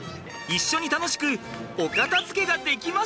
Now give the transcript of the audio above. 一緒に楽しくお片づけができました！